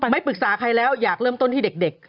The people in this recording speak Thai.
ไม่ปรึกษาใครแล้วอยากเริ่มต้นที่เด็ก